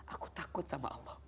aku takut sama allah